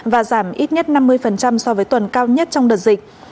và giảm ít nhất năm mươi so với tuần cao nhất trong đợt dịch